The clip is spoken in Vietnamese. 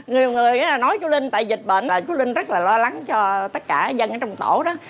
nhiều người nói chú linh tại dịch bệnh chú linh rất là lo lắng cho tất cả dân ở trong tổ đó